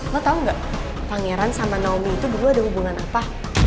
lo tahu nggak pangeran sama naomi itu dulu ada hubungan apa